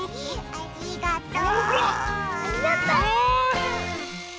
ありがとう！